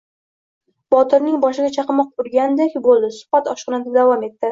Botirning boshiga chaqmoq urgandek bo`ldiSuhbat oshxonada davom etdi